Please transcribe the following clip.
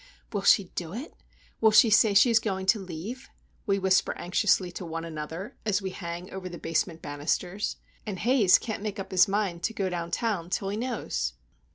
"Will she do it? will she say she is going to leave?" we whisper anxiously to one another, as we hang over the basement banisters. And Haze can't make up his mind to go downtown till he knows.